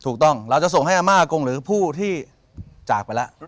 เราจะส่งให้อาม่ากงหรือผู้ที่จากไปแล้ว